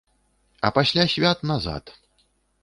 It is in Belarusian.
А пасля свят назад.